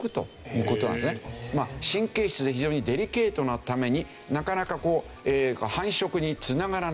まあ神経質で非常にデリケートなためになかなかこう繁殖に繋がらない。